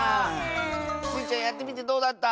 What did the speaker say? スイちゃんやってみてどうだった？